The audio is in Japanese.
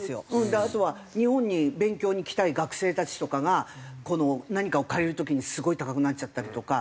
であとは日本に勉強に来たい学生たちとかが何かを借りる時にすごい高くなっちゃったりとか。